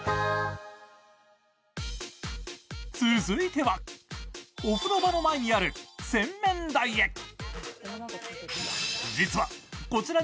続いては、お風呂場の前にある洗面台へ。